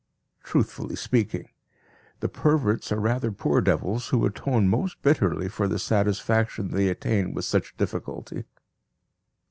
Truthfully speaking, the perverts are rather poor devils who atone most bitterly for the satisfaction they attain with such difficulty.